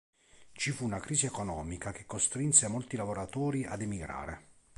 Ci fu una crisi economica che costrinse molti lavoratori ad emigrare.